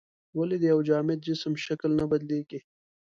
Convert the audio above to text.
ولې د یو جامد جسم شکل نه بدلیږي؟